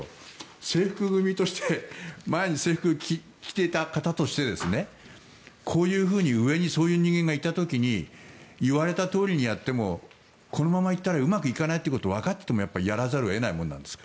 制服組として前に制服を着ていた方としてこういうふうに上にそういうに人間がいた時に言われたとおりにやってもこのままいったらうまくいかないことがわかっていてもやっぱりやらざるを得ないものなんですか？